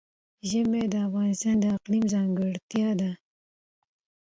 ژمی د افغانستان د اقلیم ځانګړتیا ده.